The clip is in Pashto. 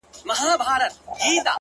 • وبېرېدم؛